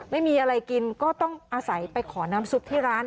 ไม่มีอะไรกินก็ต้องอาศัยไปขอน้ำซุปที่ร้าน